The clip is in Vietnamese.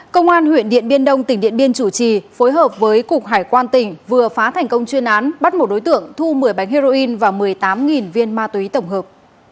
công an huyện điện biên đông tỉnh điện biên chủ trì phối hợp với cục hải quan tỉnh vừa phá thành công chuyên án bắt một đối tượng thu một mươi bánh heroin và một mươi tám viên ma túy tổng hợp